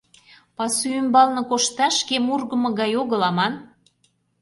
Пасу ӱмбалне кошташ кем ургымо гай огыл аман!..